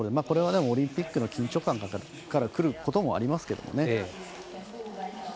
これはオリンピックの緊張感からくることもありますからね。